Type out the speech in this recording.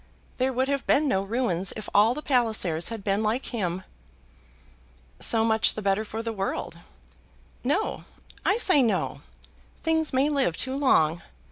There would have been no ruins if all the Pallisers had been like him." "So much the better for the world." "No; I say no. Things may live too long.